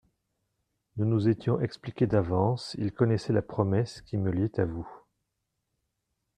Nous nous étions expliqués d'avance, il connaissait la promesse, qui me liait à vous.